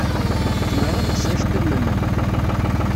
Zemreɣ ad lseɣ iceḍḍiḍen-nnem?